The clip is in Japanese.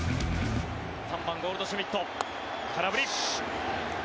３番、ゴールドシュミット空振り。